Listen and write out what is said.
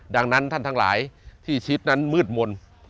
ดังนั้นท่านทั้งหลายที่ชิดนั้นมืดมนต์